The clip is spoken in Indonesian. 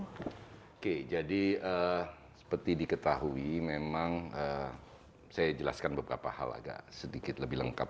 oke jadi seperti diketahui memang saya jelaskan beberapa hal agak sedikit lebih lengkap